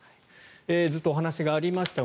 ずっとお話がありました